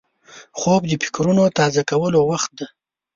خوب د فکرونو تازه کولو وخت دی